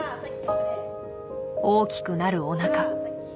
大きくなるおなか。